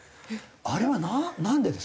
あれはなんでですか？